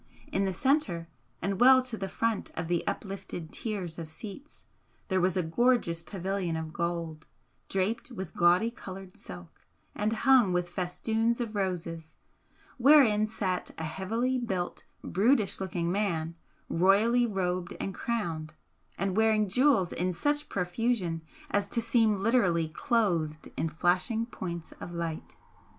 In the centre, and well to the front of the uplifted tiers of seats, there was a gorgeous pavilion of gold, draped with gaudy coloured silk and hung with festoons of roses, wherein sat a heavily built, brutish looking man royally robed and crowned, and wearing jewels In such profusion as to seem literally clothed in flashing points of light.